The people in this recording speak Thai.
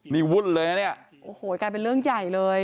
นี่วุ่นเลยนะเนี่ยโอ้โหกลายเป็นเรื่องใหญ่เลย